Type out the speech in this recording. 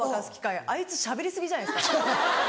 あいつしゃべり過ぎじゃないですか？